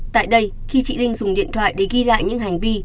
tại đây khi chị linh dùng điện thoại để ghi lại những hành vi